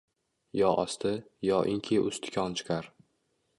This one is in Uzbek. Yo osti, yoinki usti kon chiqar.